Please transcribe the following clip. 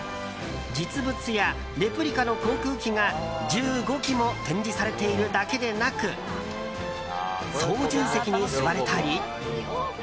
実物やレプリカの航空機が１５機も展示されているだけでなく操縦席に座れたり。